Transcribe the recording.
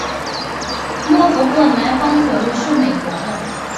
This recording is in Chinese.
诺福克南方铁路是美国的。